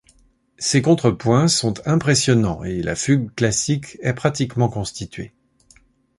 Ses contrepoints sont impressionnants et la fugue classique est pratiquement constituée.